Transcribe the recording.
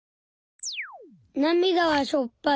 なみだはしょっぱい。